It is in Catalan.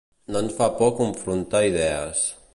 No ens fa por confrontar idees.